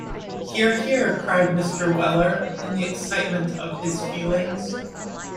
Hear, hear!’ cried Mr. Weller, in the excitement of his feelings.